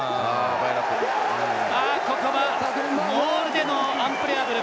ここはモールでのアンプレアブル。